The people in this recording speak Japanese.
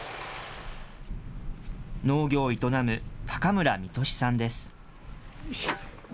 農業を営む高村実俊さんです。